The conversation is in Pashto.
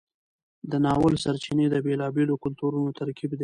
د ناول سرچینې د بیلابیلو کلتورونو ترکیب دی.